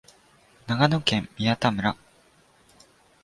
長野県宮田村